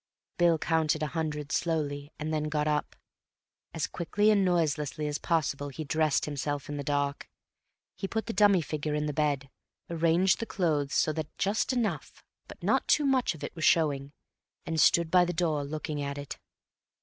Bill counted a hundred slowly and then got up. As quickly and as noiselessly as possible he dressed himself in the dark. He put the dummy figure in the bed, arranged the clothes so that just enough but not too much of it was showing, and stood by the door looking at it.